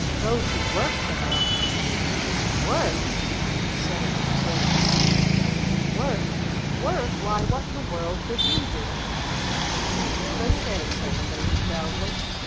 "Go to work?" said our Uncle Peter. "WORK?" He said it with a sort of a hoot. "Work? Work? Why, what in the world could YOU do?" "I can crochet," said the Lady proudly.